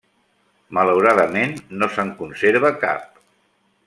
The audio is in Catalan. Malauradament no se'n conserva cap.